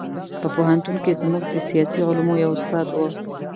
په پوهنتون کې زموږ د سیاسي علومو یو استاد و.